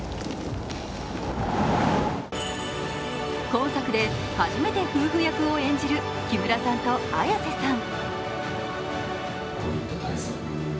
今作で初めて夫婦役を演じる木村さんと綾瀬さん。